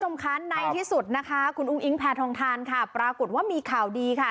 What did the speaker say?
สำคัญในที่สุดนะคะคุณอุ้งอิงแผนทองทานค่ะปรากฏว่ามีข่าวดีค่ะ